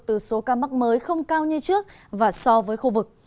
từ số ca mắc mới không cao như trước và so với khu vực